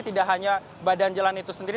tidak hanya badan jalan itu sendiri